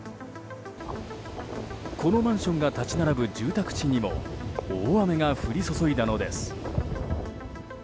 このマンションが立ち並ぶ住宅地にも大雨が降り注いだのです。